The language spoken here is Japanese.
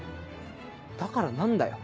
だから何だよ